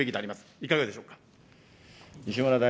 いかがでしょうか。